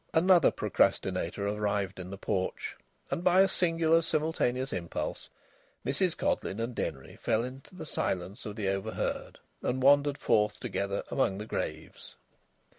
Another procrastinator arrived in the porch, and, by a singular simultaneous impulse, Mrs Codleyn and Denry fell into the silence of the overheard and wandered forth together among the graves.